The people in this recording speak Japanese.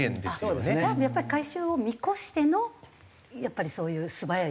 じゃあやっぱり回収を見越してのやっぱりそういう素早い対応だった。